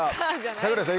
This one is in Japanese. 櫻井さん